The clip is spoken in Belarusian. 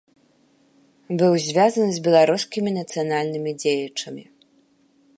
Быў звязаны з беларускімі нацыянальнымі дзеячамі.